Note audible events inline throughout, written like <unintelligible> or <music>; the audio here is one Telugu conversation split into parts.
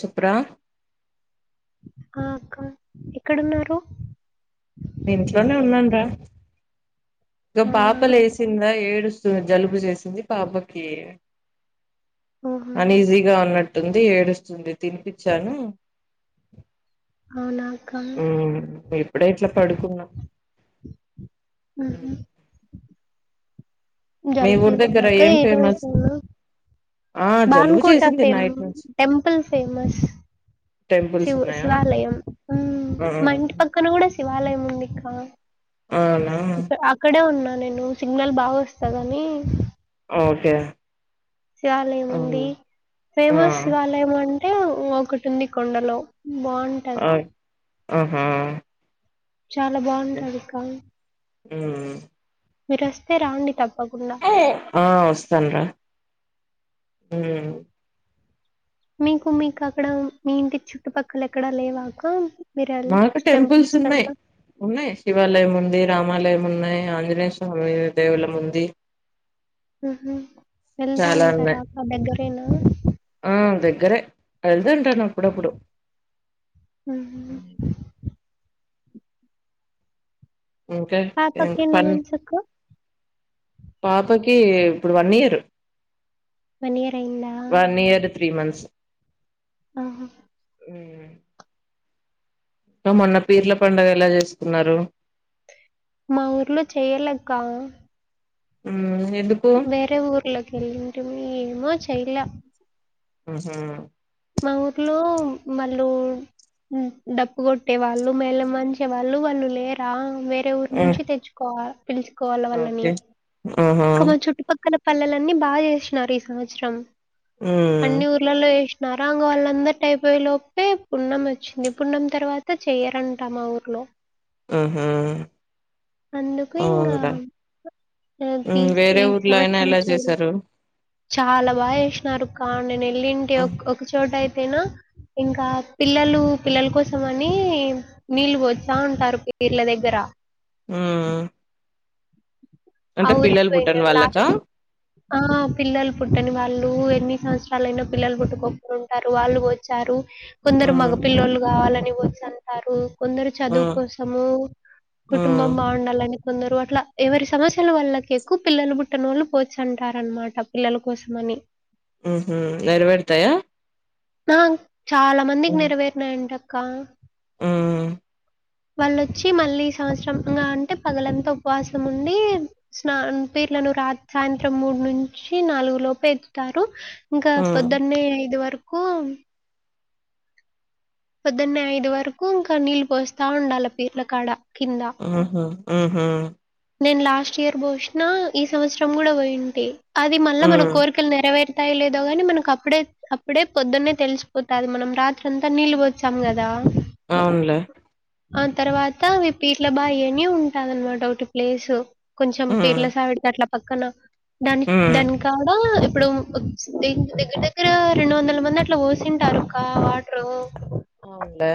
చెప్పరా ఆ అక్కా, ఎక్కడున్నారు? ఇంట్లోనే ఉన్నాంరా, ఇదిగో అవునా పాప లేసి కింద ఏడుస్తుంది జలుబు చేసింది పాపకి ఓహో అనీజీగా ఉన్నట్టుంది, ఏడుస్తుంది తినిపించాను. అవునా అక్కా ఇప్పుడే యిట్లా పడుకున్నా ఉమ్. ఉహు మీ జలుబు ఊరి దగ్గర చేసిందాక్కా, ఏం ఏ ఫేమస్ <unintelligible> ఆ జలుబు మానుకోట చేసింది ఫేమ్ నైట్ నుంచి టెంపుల్ ఫేమస్ టెంపుల్స్ శివ ఉన్నాయా శివాలయం, ఆ, మా ఇంటి పక్కన కూడా శి శివాలయం ఉంది ఇక్క అవునా ఇ అక్కడే ఉన్నా నేను సిగ్నల్ బాగా వస్తదని ఓకే శివాలయం ఆ, ఉంది ఆ, ఫేమస్ శివాలయ ఏమంటే ఒకటి ఉంది కొండలో బాగుంట ఆ ఆహా చాలా బాగుంటాది ఇకా ఆ మీరు వస్తే రాండి తప్పకుండా ఆ వస్తాన్రా ఉ మీకు మీకక్కడ మీ ఇంటి చుట్టుపక్కల ఎక్కడ లేవాక్కా మీరారోజు మాకు టెంపుల్స్ పట్ల ఉన్నాయి ఉన్నాయి శివాలయం ఉంది, రామాలయం ఉన్నాయి, ఆంజనేయ స్వామి దేవులం ఉంది ఊహు వెళ్తా చాలా ఉన్నాయి ఉంటారాక్క దగ్గరేనా ఆ దగ్గరే వెళ్తా ఉంటుంటాను అప్పుడప్పుడు హ ఇంకా ఆ పక్కిని పన్ ఉంచుకో పాపకి ఇప్పుడు వన్ ఇయర్ వన్ ఇయర్రైందా వన్ ఇయర్ త్రీ మంత్స్ ఆహ ఊ మొన్న పీర్ల పండుగ ఎలా చేసుకున్నారు మా ఊర్లో చేయ్యలేక్క ఉం ఎందుక్ వేరే ఊర్లోకి <unintelligible> ఏమో చైలా అహ మా ఊర్లో మళ్ళు డప్పు కొట్టే వాళ్ళు మేళ మంచే వాళ్ళు వాళ్ళు లేరా వేర వేరే ఊరు ఆ, నుంచి తెచ్చుకోవాలి పిలుచుకోవాలి వాళ్ళని ఓకే ఆహా ఇక మా చుట్టుపక్కల పల్లెలన్నీ బాగా చేస్న్నారు ఈ సంవత్సరం ఆ అన్ని ఊర్లలో చే నరాంగ వాళ్ళందా ఐపోయేలోపే పున్నం వచ్చింది పున్నం తర్వాత చెయ్యరంట మా ఊర్లో అహ అందుకు ఇంగా ఈ తి మ్మ్, ఈ వేరే ఊర్లో అయినా సంవత్సరం ఎలా చే చేశారు చాలా బాగ చేసినారు కావు నేను వెళ్ళింటి మ్మ్, ఒకచోట అయితేనా ఇంకా పిల్లలు పిల్లల కోసం అని నీళ్లు పొత్తా ఉంటరు పీర్ల దెగ్గర ఆ ఆ ఊరు పోయినం వాళ్ళకా లాస్ట్ ఆ పిల్లలు పుట్టని వాళ్ళు ఎన్ని సంవత్సరలు అయినా పిల్లలు పుట్టుకోకుంటారు వాళ్ళు వచ్చారు ఆ కొందరు మగ పిల్లలు కావాలని వచ్చి అంటారు కొందరు ఆ చదువు కోసము ఆ కుటుంబం బాగుండాలని కొందరు అట్లా ఎవరి సమాస్ స్యలు వాళ్లక ఎక్కువ పిల్లలు పుట్టిన వాళ్ళు పోచంటారనమాట పిల్లల కోసమని ఉహు నెరవేరుతాయా నా చాలా మందికి నెరవేరినాయంటక్క ఊ వాళ్ళొచ్చి మళ్ళీ సంవత్సరం గా అంటే పగలంతా ఉపవాసం ఉండి స్నాన పీర్లను రా సాయంత్రం మూడు నుంచి నాలుగు లోపు ఎత్తారు ఇంకా పొద్దన్నే ఐదు వరు ఉ పొద్దన్నే ఐదు వరకు ఇంకా నీళ్ళు పోస్ తా ఉండాల పీర్ల కాడ కింద ఉహు ఉహు నేను లాస్ట్ ఇయర్ పోసిన ఈ సంవత్సరం కూడా పోయింటి అది మళ్ళా ఆ మన కోరికలు నెరవేరుతాయి లేదో గాని మనకి అప్పుడే అప్పుడే పొద్దున్నే తెలిసిపోతది మనం రాత్రి అంతా నీళ్లు పోచం కదా అవునులే ఆ తర్వాత మీ పీర్ల బాయి అని ఉంటది అన్నమాట ఒకటి ప్లేసు కొంచెం ఉమ్ పీర్ల సావిడికి అట్లా పక్కన దాని ఉమ్ దానికి కాడ ఇప్పుడు ద దగ్గర దగ్గర రెండు వందల మంది అట్లా పోసింటారు కా వా రు అవునులే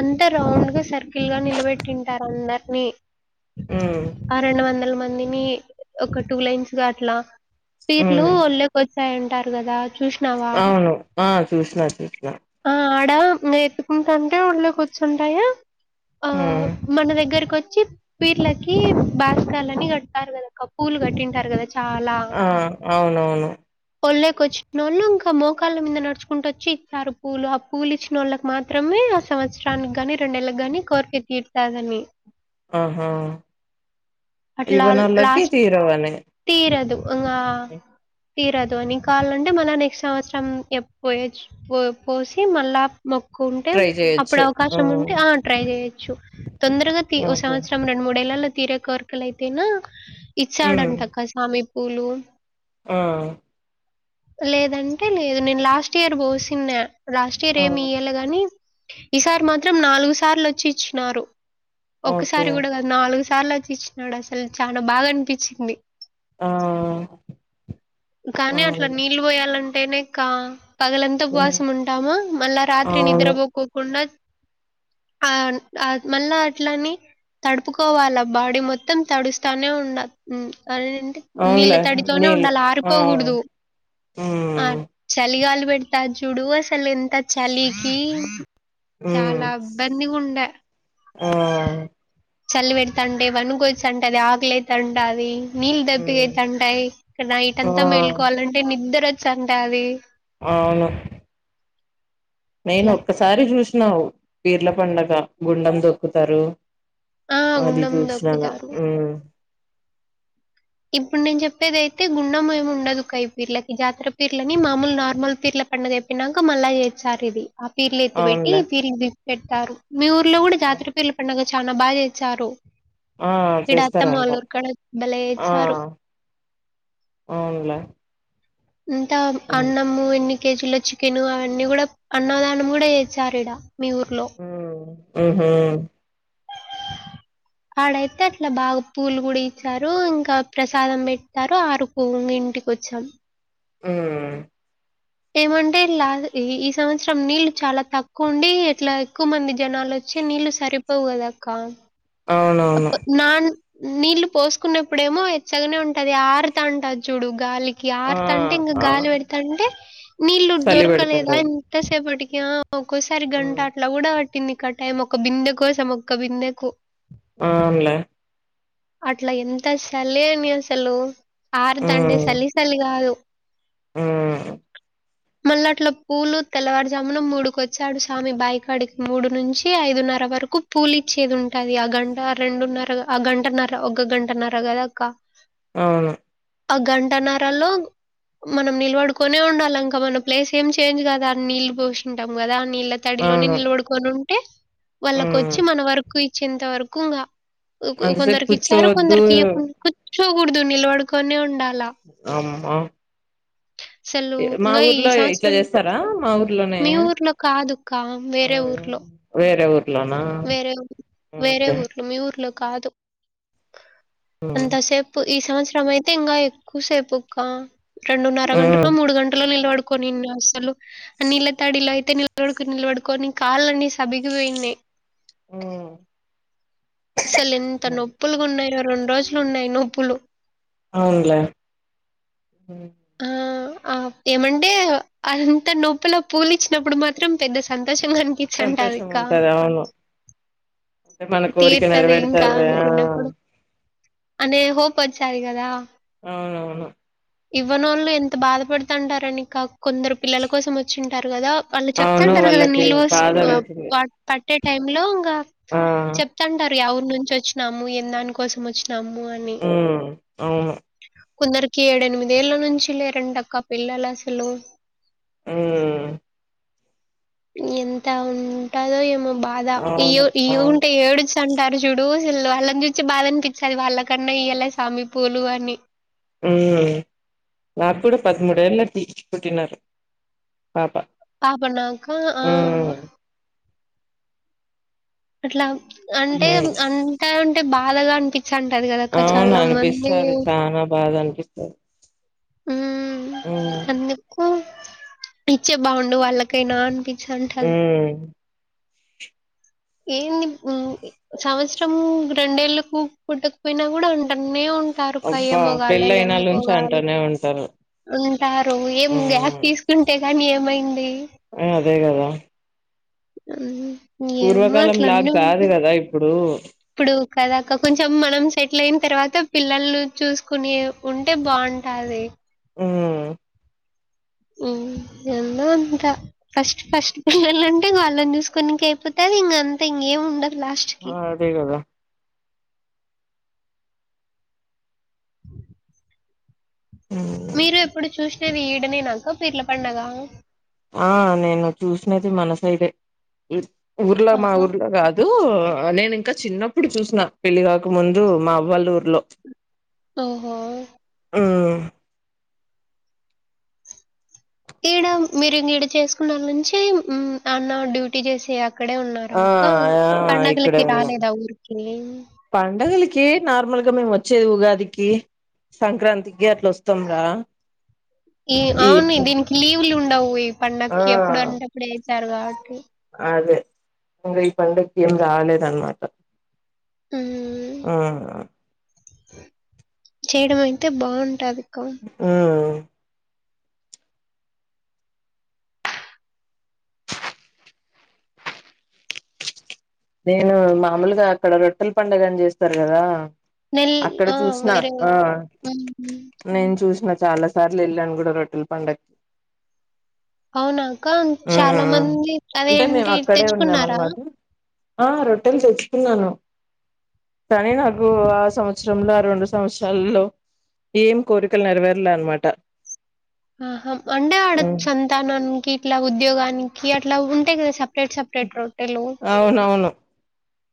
అంతా రౌండ్గా సర్కిల్ గా నిలబెట్టింటారు అందర్నీ ఉ ఆ రెండు వందల మందిని ఒక టూ లైన్స్ గా అట్లా పీర్లు ఉమ్ లె ఒచ్చాయంటారు గదా అవును ఆ చూసిన చూసిన ఆ ఆడ ఇంగ ఎత్తుకుంటాంటే ఒళ్ళో కూర్చుంటాయా ఆ ఉమ్ మన దగ్గర కొచ్చి పీర్లకి బాస్కాలని కడతారు కదాక్క పూలు కట్టింటారు కదా చాలా ఆ అవునవును ఒళ్లోకోచ్చినోళ్ళు ఇంకా మోకాళ్ళ మీద నడుచుకుంటూ వచ్చి ఇత్తారు పూలు ఆ పూలు ఇచ్చినోళ్ళకి మాత్ త్రమే ఆ సంవత్సరానికిగాని రెండేళ్ళ గానీ కోరికె తీరుతాదని ఆహా అట్లా ఇవ్వనోళ్ళకి లాస్ట్ తీరవని తీరదు అంగా తీరదు అని కాలంటే మళ్ళ నెక్స్ట్ సంవత్సరం యెప్ పోయచ్ పో పోసి మళ్ళా మొక్ కుంటే ట్రై అప్పుడు చేయొచ్చు అవకాశం ఉంటే ఆ ట్రై చేయొచ్చు తొందరగా తీ ఓ ఓకే సంవత్సరం రెండు మూడేళ్లలో తీరే కోర్ ఇక్కలైతేనా ఉమ్ ఇచ్చాడంటక్క సామీ పూలు ఆ లేదంటే లేదు నేను లాస్ట్ ఇయర్ పోసిన్న లాస్ట్ ఇయర్ ఆ ఏమి ఇయలగ కనీ ఈసారి మాత్రం నాలుగు సార్లు ఒచ్చిచ్చినారు ఓకే ఒక్కసారి గూడా కాద్ నాలుగు సార్లోచ్చి ఇచ్చినాడు అసలు చాన బాగానిపిచింది ఆ కానీ అట్లా అవును నీళ్ళు పోయాలంటేనేక్క పగలంత హ్మ్ ఉపవాసం ఉంటామా మళ్ళా రాత్రి అవును నిద్రవొ పోకోకుండ ఆన్ ఆ మళ్ళ అట్లని తడుపుకోవాలా బాడీ మొత్తం తడుస్తానే ఉండ ఉమ్ అంటి నీళ్ళ అవునులే తడితోనే నీళ్ళు ఉండాల ఆ ఆరిపోగూడదు ఆ ఉమ్ చలిగాలి పెడతాది చూడు అసలు ఎంత చలికి ఉమ్ చాలా ఇబ్బంది గుండె ఆ చలి పెడతంటే వనుకొచ్చంటది ఆకలి అయితంటాది నీళ్ ఉమ్ దప్పిగయితాంటాయి ఇక నైట్ ఆ అంతా మెళ్లుకోవాలంటే నిద్ద్ర ఒచ్చంటాది ఆవును అట్లా నేనొక్కసారి జూశినా పీర్ల పండగ గుండెం దొక్కుతరు ఆ! అది గుండం జూష్ నాను దొక్కుతారు. ఊమ్ ఇప్పుడ్ నేన్ జెప్పేదైతే గుండం ఏమి ఉండదు క పీర్లకి జాతర పీర్లని మామూలు నార్మల్ పీర్ల పండగ్ అయిపాయినంక మళ్ళా యేచ్చార్ ఇది ఆ పీర్లు ఎత్తి పెట్టి అవునులే ఈ పీర్ని తీసి పెడ్తారు మీ ఊర్లో గూడ జాతర పీర్ల పండగ చానా బా యేచ్చారు ఆ ఇడత్తమ చేస్తారంట వల్లూరికాడ భలే ఆ యేచ్చారు అవునులే ఇంత ఉమ్ అన్నము ఎన్ని కేజీలో చికెన్ అవన్నీ గూడ అన్నదానం కుడా యేచ్చరీడా మీ ఊర్లో ఉమ్ ఉహు ఆడైతే అట్లా బాగ్ పూలు గూడా ఇచ్చారు ఇంకా ప్రసాదం పెడతారు ఆరు ఊ మీ ఇంటికొచ్చాం ఊ ఏమంటే ఇల్లా ఇ ఈ సంవత్సరం నీళ్ళు చాలా తక్కువ ఉండి ఎట్లా క్కువ మంది జనాలొచ్చి నీళ్లు సరిపోవుగదక్క అవునవును అప్ నాన్ నీళ్లు పోసుకున్నప్పుడేమో ఎచ్చగనే ఉంటది ఆరుతంటాద్ జూడు గాలి ఆ క్యారుతంటే ఇంగ ఆ గాలి వెడతంటే నీళ్ళు చలి పెడుతుంటది దొరకలేదన్ తసేపటికి ఆ ఒక్కోసారి గంట ఉమ్ అట్లా గూడా వట్ కిందికి అటే మోక ఒక్క బిందె కోసం ఒక్క బిందెకు ఆవునులే అట్లా ఎంత చలే అని అసలు ఆరుదండే చలి చలి కాదు ఊ మల్లట్ల పూలు తెల్లవారుజామున మూడుకొచ్చాడు స్వామి బయికాడికి మూడు నుంచి ఐదున్నర వరకు పూలి ఇచ్చేది ఉంటది ఆ గంట రెండున్నర ఆ గంట నర ఒక గంట నర కదాక అవును ఆ గంటనరల్లో మనం నిలవడుకొని ఉండాలంక మన ప్లేస్ ఏం చేంజ్ కదా నీళ్ళు పోసింటం కదా నీళ్ తడిలోనే అవును కొనుంటే ఉమ్ వాళ్ళకొచ్చి మన వరకు ఇచ్చేంత వరకు ఇంకా అంతసేపు కొందరికి ఇచ్చారు కూర్చోవద్దు కొందరికి ఇయకుం కూర్చోకూడదు నిలబడుకొనే ఉండాలా అమ్మ అసలు మా ఇంగా ఈ ఊర్లో ఇట్లా సంవత్సరం చేస్తారా మా ఊర్లోనే మీ ఊర్లో కాదుక్క వేరే ఊర్లో వేరే ఊర్లోనా వేరే ఊ వేరే ఓకే ఊర్లో మీ ఊర్లో కాదు ఉమ్ అంత సేప్ ఈ సంవత్సరం అయితే ఇంకా ఎక్కువసేపుక్క రెండున్నర గంటలో మూడు గంటలో నిలబడు కొని అసలు ఆ నీళ్ళ తాడిలో అయితే నిలబడికొని నిలబడుకొని కాళ్ళన్ని సబగిపోయిన్నయ్ ఊ అసలు ఎంత నొప్పులుగా ఉన్నాయో రెండు రోజులు ఉన్నాయి నొప్పులు అవునులే ఆ ఆ ఏమంటే అంత నొప్పిలో పూలిచ్చినప్పుడు మాత్రం పెద్ద సంతోషంగానిపి సంతోషం చంటదిక ఉంటది అవును అంటే మన కోరిక తీర్తంది ఇంకా నెరవేరుతది ఆ అనుకుండే అప్పుడు అనే హోప్ వచ్చాది కదా అవునవును ఇవ్వని వాళ్ళు ఎంత బాధపడుతుంటారని ఇక కొందరు పిల్లల కోసం వచ్చింటారు కదా వాళ్ళు అవును చెప్తంటారు కదా వాళ్ళకి నీల్వ బాధ వేసింది వా పట్టే టైం లో ఇంకా ఆ చెప్తా ఉంటారు యా ఊరు నుంచి వచ్చినాము ఎ దానికోసం వచ్చినము నాము అని ఉమ్ అవును కొందరికి ఏడ ఎనిమిద ఏళ్ళ నుంచి లేరంటా అక్క పిల్లలు అసలు ఉమ్ ఎంత ఉంటదో ఏమో బాధ ఈ అవును ఈ అవును ఉంటే ఏడు అంటారు చూడుల్ వాళ్ళని చూసి బాధ అనిపించది వాళ్ళ కన్నా ఇయ్యాల సమీపూలు అని నాకు కూడా పదమూడేళ్ళకి పూట్టినారు పాపా ఆపనా అక్క ఆ అట్లా అంటే ఉమ్ అంతా ఉంటే బాధగా అనిపించంటది కదా అవును అనిపిస్తంది చనా బాదా అనిపిస్తుంది ఉమ్ అందుకు ఇచ్చే బాగుండు వాళ్ళకైనా అనిపించి ఉ ఏంది ఇప్పుడు సంవత్సరము రెండేళ్ళలకు పుట్టకపోయినా కూడా ఉంటనే ఉ ఉంటారు అక్క అబ్బా మేము వాళ్ళు ఎందుకు పెళ్ళయినాళ్ళుంచి వాళ్ళు అంటనే ఉంటారు ఉంటారు ఏం గ్యాప్ ఉమ్ తీసుకు కుంటే కని ఏమైంది ఆ అదే కదా ఏమో అట్లానే ఉంది అదా ఇప్పుడు ఇప్పుడు కదాక కొంచెం మనం సెటిల్ అయిన తర్వాత పిల్లలను చూసుకునే ఉంటే బాగుంటది ఉమ్ ఏందో ఇంకా ఫస్ట్ ఫస్ట్ పిల్లలు అంటే వాళ్ళనీ చూసుకోనికి అయిపోతారు ఇంక అంత ఇంకేం ఉండదు లాస్ట్ ఆ అదే కదా ఉమ్ మీరు ఎప్పుడు చూసినది ఈడనేనా అక్క పీర్ల పండగ ఆ నేను చూసినది మనసైడే ఊర్లో మా ఆహా! ఊర్లో కాదు డూ నేను ఇంకా చిన్నప్పుడు చూసిన పెళ్లి కాక ముందు మా అవ్వలా ఊర్లో ఓహో ఉ ఈడ మీరు ఈడ చేసుకున్న వాళ్ళ నుంచి అన్న డ్యూటీ చేసి అక్కడే ఉన్నారా ఆ అక్క ఆ పడుగలకి రాలేదా ఊరికి పండుగలకి నార్మల్గా మేము వచ్చేది ఉగాదికి సంక్రాంతికి అట్లా వస్తాం రా ఈ అవును దీనికి లీవ్ లు ఉండవు ఈ ఆ పండగకి ఎప్పుడు అంటే అప్పుడు చేస్తారు కాబట్టి అదే ఇంకా ఈ పండ కి ఏం రాలేదు అన్నమాట ఉమ్ ఉమ్ చేయడం అయితే బాగుంటది అదికో ఉ నేను మామూలుగా అక్కడ రొట్టెల పండుగ అని చేస్తారు కదా నెల్ అక్కడ ఆ! చూసిన వేరే ఆ హ్మ్. నేను చూసిన చాలా సార్లు వెళ్ళాను కూడా రొట్టెల పండగకి అవునాక చాలా ఉమ్ మంది అంటే మేము అదేంటి అక్కడే ఉన్నాం తెచ్చుకున్నారా అనమాట ఆ రొట్టెలు తెచ్చుకున్నాను కానీ నాకు ఆ సంవత్సరంలో ఆ రెండు సంవత్సరాలల్లో ఏం కోరికలు నెరవేరలే అన్నమాట ఆహా అంటే ఆడ సంతానానికి ఇట్లా ఉద్యోగానికి అట్లా ఉంటాయి కదా స రేట్ సపరేట్ రొట్టెలు అవునవును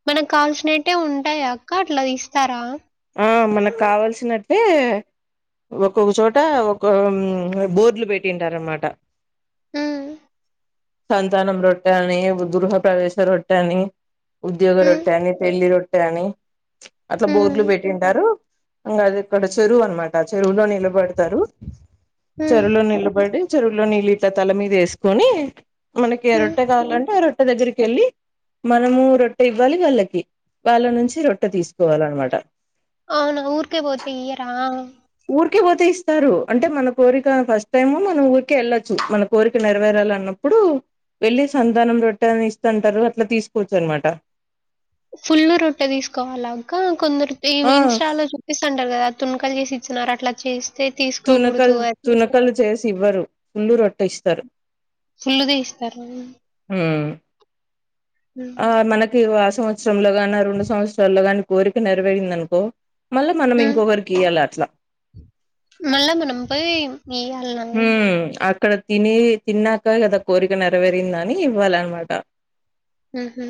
మనకు కాల్సినట్టే ఉంటాయా అక్క అట్ల తీస్తారా ఆ మనకు కావాల్సినట్టే ఒక్కొక్క చోట ఒక బోర్డ్లు పెట్టింటారు అనమాట మ్మ్ సంతానం రొట్టె అని గృహ ప్ర్రవేశ రొట్టె అని ఉద్యోగ హ్మ్. రొట్టె అని పెళ్లి రొట్టె అని అట్ల హ్మ్. బోర్లు పెట్టి టారు ఇంగ అది ఇక్కడ చెరువు అనమాట చెరువులో నిలబడతారు హ్మ్. చెరువులో నిలబడి చెరువులో నీళ్ళ ఇట్ తల మీద వేసుకొని మనకి హ్మ్. రొట్టె కావాలంటే ఆ రొట్టె దగ్గరికి వెళ్ళి మనము రొట్టె ఇవ్వాలి వాళ్ళకి వాళ్ళ నుంచి రొట్టె తీసుకోవాల అన్నమాట అవునా ఊరుకే పోతే ఈయరా ఊరికే పోతే ఇస్తారు అంటే మన కోరిక ఫస్ట్ టైమ్ మనం ఊరికే వెళ్ళొచ్చు మన కోరిక నెరవేరాల అన్న ప్పుడు వెళ్ళి సంతానం రొట్టె అని ఇస్తుంటారు అట్లా తీసుకోవచ్చు అనమాట ఫుల్లు రొట్టె తీసుకోవాలా అక్క కొందరు ఈ ఆ ఇన్స్టాలో చ పిస్తుంటారు కదా తునకలు చేసి ఇచ్చినారు అట్లా చేసి తునకలు తునకలు చేసి ఇవ్వరు పుల్లు రొట్టె ఇస్తారు ఫుల్లుగా ఇస్తారు మ్మ్ ఆ హ్మ్. మనకి ఆ సంవత్సరంలో గాన రెండు సంవత్సరాల్లో నీ కోరిక నెరవేరింది అనుకో మళ్ళా మనం హ్మ్. ఇంకోకరికి ఇయ్యాల అట్లా మళ్ళ మనం పోయి ఈయల్న అద్ అక్కడ తిని తిన్నాక కదా కోరిక నెరవేరిందని ఇవ్వాలన్నమాట మ్మ్ హు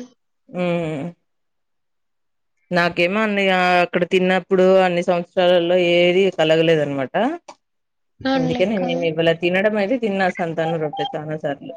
మ్మ్ నాకేమో అన్ని అక్కడ తిన్నప్పుడు అన్ని సంవత్సరాలలో ఏది కలగలేదు అనమాట అవునులే అందుకే నే అక్క. నేను ఇవాళ తినడం అయితే తిన్నా సంతానం రొట్టే చాలా సార్లు